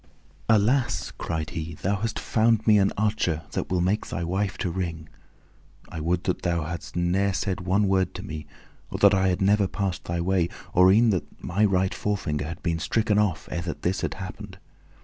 "Alas!" cried he, "thou hast found me an archer that will make thy wife to wring! I would that thou hadst ne'er said one word to me, or that I had never passed thy way, or e'en that my right forefinger had been stricken off ere that this had happened!